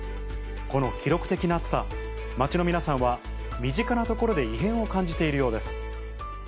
この記録的な暑さ、街の皆さんは、身近なところで異変を感じているようです。